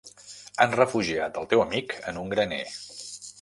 Han refugiat el teu amic en un graner.